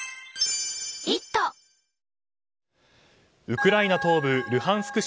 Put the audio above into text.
ウクライナ東部ルハンシク